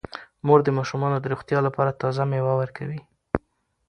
مور د ماشومانو د روغتیا لپاره تازه میوه ورکوي.